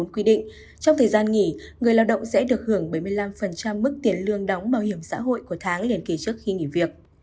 trong thời gian nghỉ người lao động sẽ được hưởng bảy mươi năm mức tiền lương đóng bảo hiểm xã hội của tháng liền kỳ trước khi nghỉ việc